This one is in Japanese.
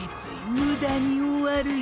ムダに終わるよ？